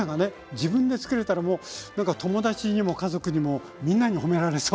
自分でつくれたら友達にも家族にもみんなに褒められそうですね。